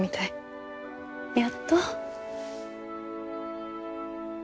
やっと。